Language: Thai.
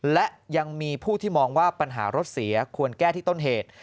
และยังมีผู้ที่มองว่าปัญหารถเสียควรแก้ที่ต้นเหตุ